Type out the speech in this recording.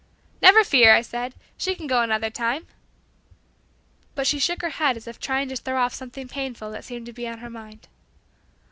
"Never fear," I said, "she can go another time." But she shook her head as if trying to throw off something painful that seemed to be on her mind.